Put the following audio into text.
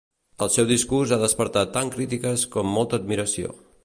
El seu discurs ha despertat tant crítiques com molta admiració.